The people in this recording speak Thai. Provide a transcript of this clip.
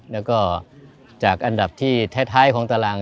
แล้วก็จากอันดับที่แท้ของตาราง